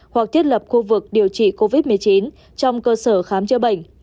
hoặc thiết lập khu vực điều trị covid một mươi chín trong cơ sở khám chữa bệnh